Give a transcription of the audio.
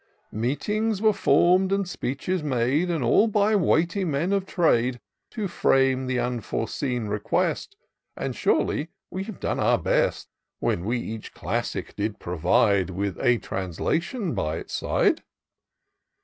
Meetings were form'd and speeches made, And all by weighty men of trade, To frame the unforeseen request ; And surely we have done our best, When we each classic did provide. With a translation by its side.